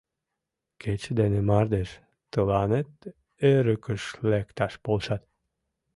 Кече дене мардеж тыланет эрыкыш лекташ полшат.